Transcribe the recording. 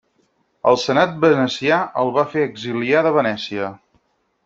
El senat venecià el va fer exiliar de Venècia.